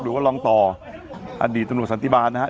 หรือว่ารองต่ออดีตตำรวจสันติบาลนะครับ